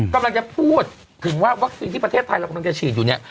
กำลังจะพูดถึงว่าวัคซีนที่ประเทศไทยเรากำลังจะฉีดอยู่เนี่ย